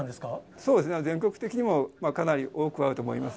そうですね、全国的にもかなり多くあると思います。